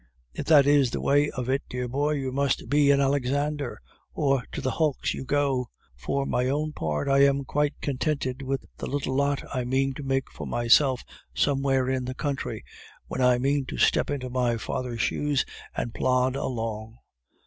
If that is the way of it, dear boy, you must be an Alexander, or to the hulks you go. For my own part, I am quite contented with the little lot I mean to make for myself somewhere in the country, when I mean to step into my father's shoes and plod along.